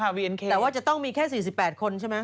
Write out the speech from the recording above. นางเต้นหมาดูนางเต้นแบบบอกให้